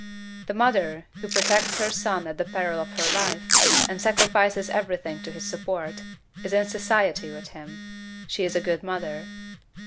The mother, who protects her son at the peril of her life, and sacrifices every thing to his support, is in society with him she is a good mother.